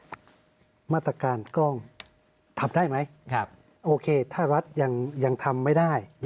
มาตรการกล้องทำได้ไหมโอเคถ้ารัฐยังทำไม่ได้